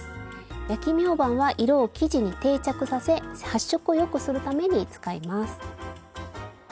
焼きみょうばんは色を生地に定着させ発色をよくするために使います。